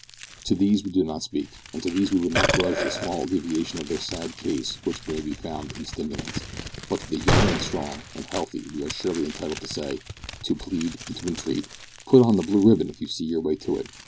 To these we do not speak, and to these we would not grudge the small alleviation to their sad case which may be found in stimulants; but to the young and strong and healthy we are surely entitled to say, to plead, and to entreat put on the blue ribbon if you see your way to it.